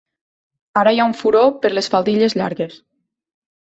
Ara hi ha un furor per les faldilles llargues.